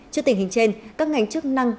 trước tình hình trên các ngành chức năng